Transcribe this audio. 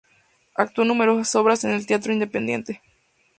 Actuó en numerosas obras en el Teatro Independiente.